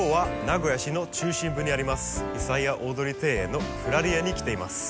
久屋大通庭園のフラリエに来ています。